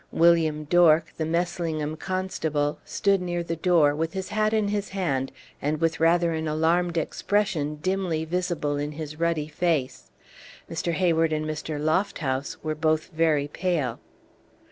William Dork, the Meslingham constable, stood near the door, with his hat in his hand, and with rather an alarmed expression dimly visible in his ruddy face. Mr. Hayward and Mr. Lofthouse were both very pale.